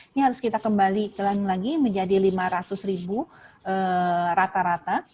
ini harus kita kembalikan lagi menjadi lima ratus ribu rata rata